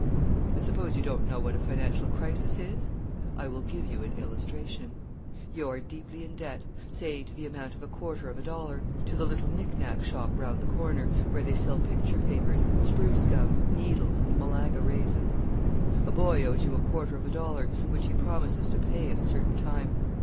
I suppose you don't know what a financial crisis is? I will give you an illustration. You are deeply in debt say to the amount of a quarter of a dollar to the little knicknack shop round the corner, where they sell picture papers, spruce gum, needles, and Malaga raisins. A boy owes you a quarter of a dollar, which he promises to pay at a certain time.